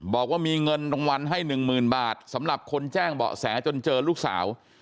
บอกว่ามีเงินรางวัลให้๑๐๐๐บาทสำหรับคนแจ้งเบาะแสจนเจอลูกสาว